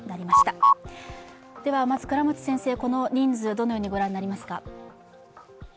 まずこの人数、どのように御覧になりますか。